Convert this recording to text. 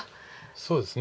そうですね